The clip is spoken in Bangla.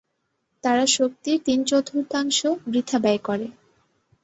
তারা শক্তির তিন-চতুর্থাংশ বৃথা ব্যয় করে।